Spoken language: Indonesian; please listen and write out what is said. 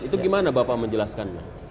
itu gimana bapak menjelaskan